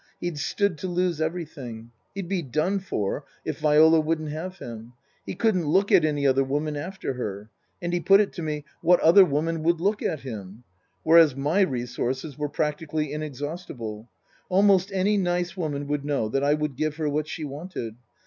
He'd stood to lose everything. He'd be done for if Viola wouldn't have him. He couldn't look at any other woman after her. And he put it to me : What other woman would look at him ? Whereas my resources were practically inexhaustible. Almost any nice woman would know that I would give her what she wanted.